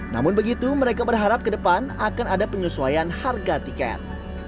namun begitu mereka berharap ke depan akan ada penyesuaian harga tiket